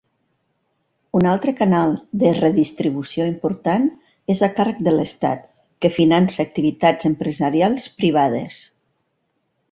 Un altre canal de redistribució important és a càrrec de l'estat, que finança activitats empresarials privades.